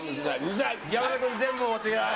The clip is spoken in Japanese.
山田君全部持って行きなさい！